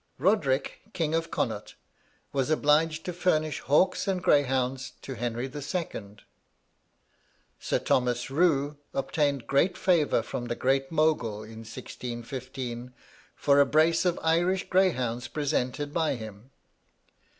Roderick, king of Connaught, was obliged to furnish hawks and greyhounds to Henry II. Sir Thomas Rue obtained great favour from the Great Mogul in 1615, for a brace of Irish greyhounds presented by him.